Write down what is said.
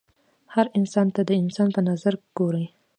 هر انسان ته د انسان په نظر ګوره